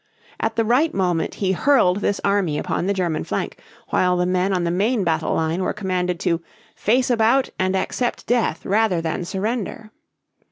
At the right moment he hurled this army upon the German flank, while the men on the main battle line were commanded to "face about and accept death rather than surrender."